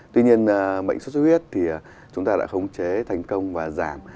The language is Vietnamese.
tuy nhiên bệnh sốt huyết thì chúng ta đã khống chế thành công và giảm